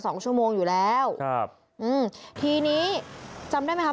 สองชั่วโมงอยู่แล้วครับอืมทีนี้จำได้ไหมคะ